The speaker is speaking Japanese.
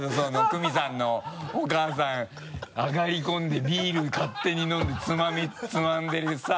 クミさんのお母さん上がり込んでビール勝手に飲んでつまみつまんでさ。